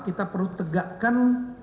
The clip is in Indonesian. kita perlu tegakkan